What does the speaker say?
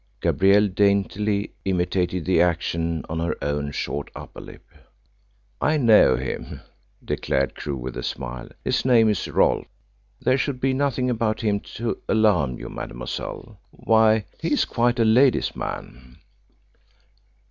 Gabrielle daintily imitated the action on her own short upper lip. "I know him," declared Crewe with a smile. "His name is Rolfe. There should be nothing about him to alarm you, mademoiselle. Why, he is quite a ladies' man."